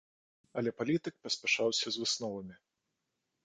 Але палітык паспяшаўся з высновамі.